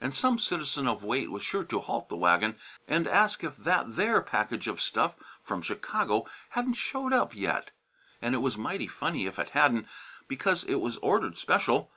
And some citizen of weight was sure to halt the wagon and ask if that there package of stuff from Chicago hadn't showed up yet, and it was mighty funny if it hadn't, because it was ordered special.